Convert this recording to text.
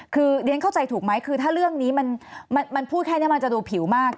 คือเรียนเข้าใจถูกไหมคือถ้าเรื่องนี้มันพูดแค่นี้มันจะดูผิวมาก